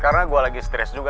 karena gua sedang stress di rumah